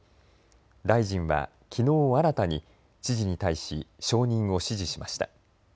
大臣はきのう新たに知事に対し承認を指示しました。